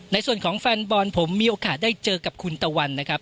ในส่วนของแฟนบอลผมมีโอกาสได้เจอกับคุณตะวันนะครับ